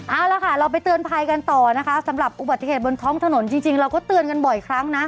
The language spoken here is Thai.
เอาละค่ะเราไปเตือนภัยกันต่อนะคะสำหรับอุบัติเหตุบนท้องถนนจริงเราก็เตือนกันบ่อยครั้งนะ